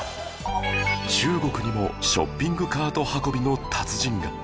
中国にもショッピングカート運びの達人が